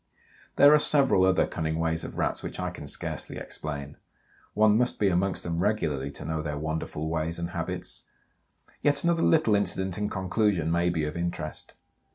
There are several other cunning ways of Rats which I can scarcely explain. One must be amongst them regularly to know their wonderful ways and habits. Yet another little incident, in conclusion, may be of interest.